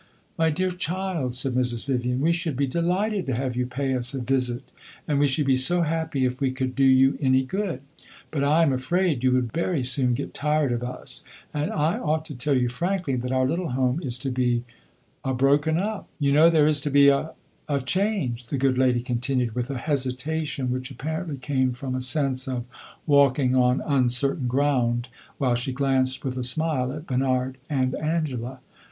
"My dear child," said Mrs. Vivian, "we should be delighted to have you pay us a visit, and we should be so happy if we could do you any good. But I am afraid you would very soon get tired of us, and I ought to tell you, frankly, that our little home is to be a broken up. You know there is to be a a change," the good lady continued, with a hesitation which apparently came from a sense of walking on uncertain ground, while she glanced with a smile at Bernard and Angela.